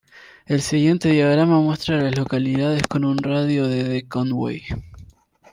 El siguiente diagrama muestra a las localidades en un radio de de Conway.